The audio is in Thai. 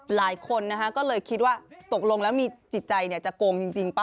หลายคนนะคะก็เลยคิดว่าตกลงแล้วมีจิตใจจะโกงจริงป่